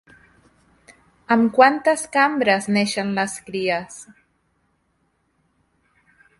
Amb quantes cambres neixen les cries?